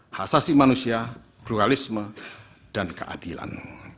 khasasi manusia pluralisme dan keadilan